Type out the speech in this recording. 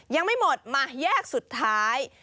ยังไม่หมดมาแยกสุดท้าย